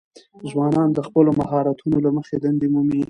ځوانان د خپلو مهارتونو له مخې دندې مومي.